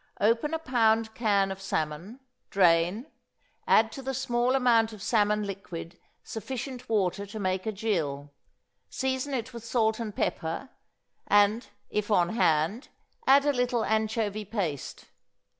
Open a pound can of salmon, drain, add to the small amount of salmon liquid sufficient water to make a gill, season it with salt and pepper, and, if on hand, add a little anchovy paste.